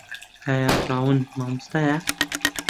ئایا براون مامۆستایە؟